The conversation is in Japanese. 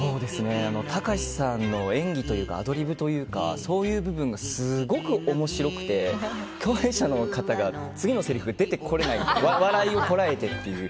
隆さんの演技というかアドリブというかそういう部分がすごく面白くて共演者の方が次のせりふが出てこない笑いをこらえて。